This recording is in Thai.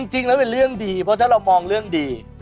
จริงแล้วเป็นเรื่องดีเพราะถ้าเรามองเรื่องดี